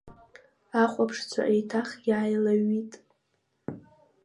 Ахәаԥшцәа еиҭах иааилаҩҩит.